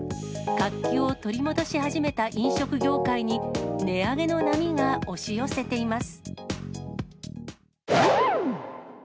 活気を取り戻し始めた飲食業界に、値上げの波が押し寄せています。